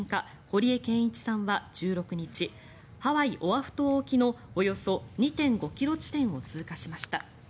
堀江謙一さんは１６日ハワイ・オアフ島沖のおよそ２．５ｋｍ地点を通過しました。